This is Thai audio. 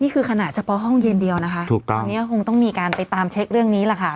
ขนาดเฉพาะห้องเย็นเดียวนะคะถูกต้องอันนี้คงต้องมีการไปตามเช็คเรื่องนี้แหละค่ะ